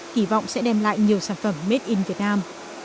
kỳ vọng sẽ đem lại nhiều sản phẩm made in việt nam